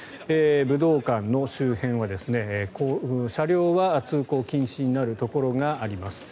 武道館の周辺は車両は通行禁止になるところがあります。